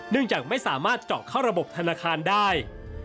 จากไม่สามารถเจาะเข้าระบบธนาคารได้